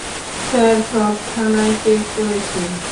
Sir, সব থানায় check করেছি।